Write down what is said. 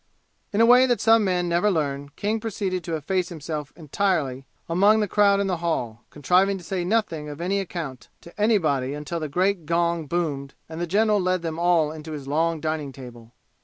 In a way that some men never learn, King proceeded to efface himself entirely among the crowd in the hall, contriving to say nothing of any account to anybody until the great gong boomed and the general led them all in to his long dining table.